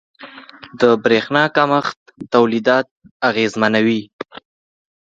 • د برېښنا کمښت تولیدات اغېزمنوي.